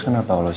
ya udah deh